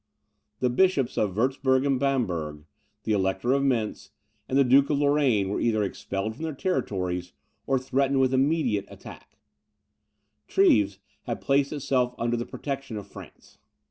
The bishops of Wurtzburg and Bamberg, the Elector of Mentz, and the Duke of Lorraine, were either expelled from their territories, or threatened with immediate attack; Treves had placed itself under the protection of France.